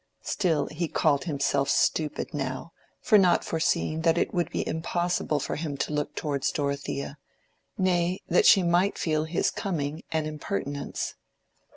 Still he called himself stupid now for not foreseeing that it would be impossible for him to look towards Dorothea—nay, that she might feel his coming an impertinence.